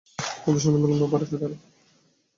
মধুসূদন বিলম্বে বাড়ি ফিরে এল।